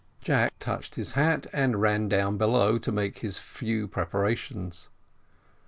Jack touched his hat, and ran down below, to make his few preparations.